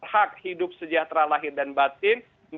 hak hidup sejahtera lahir dan batin